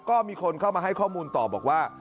ก็มีคนเข้ามาให้ข้อมูลต่อบอกว่า